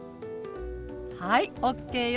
はいＯＫよ。